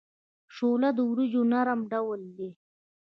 شوله د وریجو نرم ډول دی.